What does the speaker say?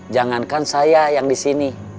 jangankan saya yang di sini